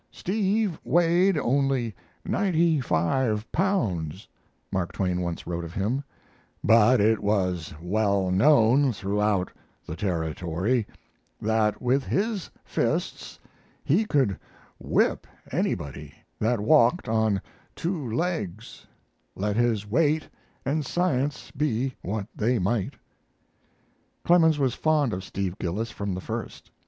"Steve weighed only ninety five pounds," Mark Twain once wrote of him, "but it was well known throughout the Territory that with his fists he could whip anybody that walked on two legs, let his weight and science be what they might." Clemens was fond of Steve Gillis from the first.